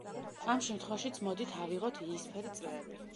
ამ შემთხვევაშიც მოდით ავიღოთ იისფერი წრეები.